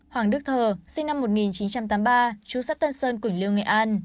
hoàng đức thờ sinh năm một nghìn chín trăm tám mươi ba chú sát tân sơn quỳnh liêu nghệ an